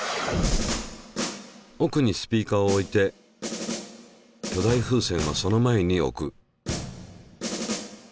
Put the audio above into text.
おくにスピーカーを置いて巨大風船はその前に置く。